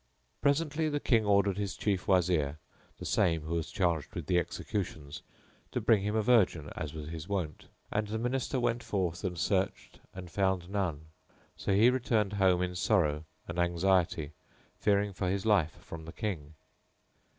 Presently the King ordered his Chief Wazir, the same who was charged with the executions, to bring him a virgin as was his wont; and the Minister went forth and searched and found none; so he returned home in sorrow and anxiety fearing for his life from the King.